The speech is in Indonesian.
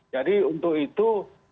jadi untuk itu